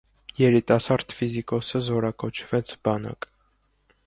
Երիտասարդ ֆիզիկոսը զորակոչվեց բանակ։